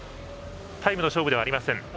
タイムの勝負ではありません。